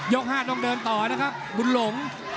๕ต้องเดินต่อนะครับบุญหลง